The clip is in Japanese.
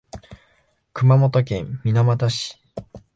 熊本県水俣市